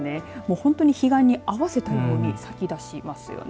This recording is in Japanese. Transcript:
本当に彼岸に合わせたように咲き出しますよね。